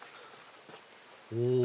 お！